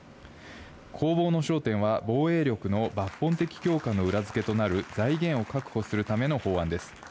攻防の焦点は防衛力の抜本的強化の裏付けとなる財源を確保するための法案です。